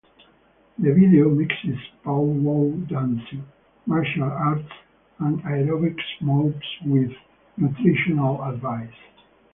The video mixes pow wow dancing, martial arts and aerobics moves with nutritional advice.